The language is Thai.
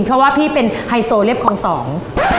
เพราะว่าพี่เป็นไฮโซเล็บคลองสอง